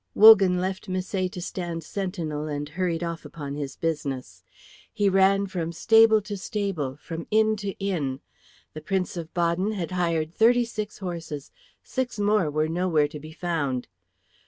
Wogan left Misset to stand sentinel, and hurried off upon his business. He ran from stable to stable, from inn to inn. The Prince of Baden had hired thirty six horses; six more were nowhere to be found.